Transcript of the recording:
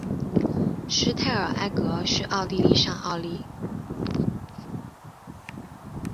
施泰尔埃格是奥地利上奥地利州乌尔法尔城郊县的一个市镇。